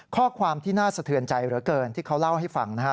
ข้อความที่น่าสะเทือนใจเหลือเกินที่เขาเล่าให้ฟังนะฮะ